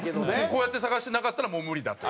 こうやって探してなかったらもう無理だと。